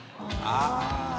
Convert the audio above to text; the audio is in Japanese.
ああ。